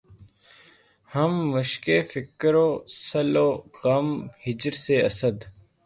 ہم مشقِ فکر وصل و غم ہجر سے‘ اسد!